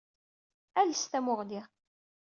Ales tamuɣli.